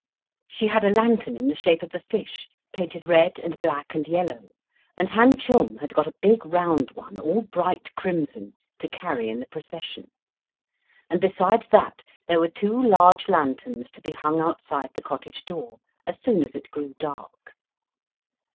She had a lantern in the shape of a fish, painted red and black and yellow, and Han Chung had got a big round one, all bright crimson, to carry in the procession; and, besides that, there were two large lanterns to be hung outside the cottage door as soon at it grew dark.